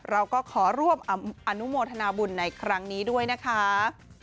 เราก็ขอร่วมอนุโมทนาบุญในครั้งนี้ด้วยนะคะ